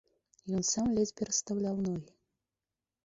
Ён сам ледзь перастаўляў ногі.